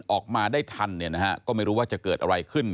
ออกมาได้ทันก็ไม่รู้ว่าจะเกิดอะไรขึ้น